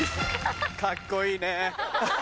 かっこいいね。